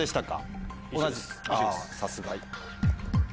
さすが。